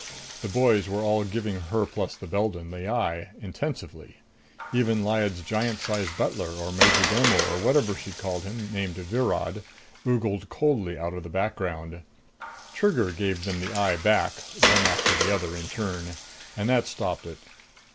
The boys were all giving her plus Beldon the eye, intensively; even Lyad's giant sized butler or majordomo or whatever she'd called him, named Virod, ogled coldly out of the background. Trigger gave them the eye back, one after the other, in turn; and that stopped it.